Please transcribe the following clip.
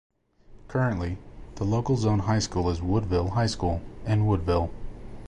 Currently, the local zone high school is Woodville High School, in Woodville.